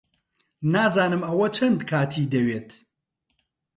نازانم ئەوە چەند کاتی دەوێت.